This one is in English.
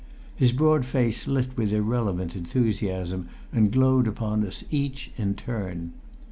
His broad face lit with irrelevant enthusiasm and glowed upon us each in turn.